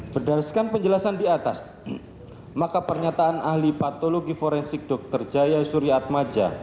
berdasarkan penjelasan di atas maka pernyataan ahli patologi forensik dr jaya surya atmaja